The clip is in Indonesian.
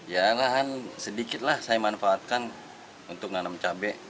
ya lahan sedikit lah saya manfaatkan untuk nanam cabai